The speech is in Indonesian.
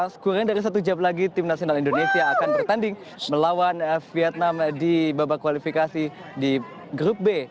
sekurang dari satu jam lagi tim nasional indonesia akan bertanding melawan vietnam di babak kualifikasi di grup b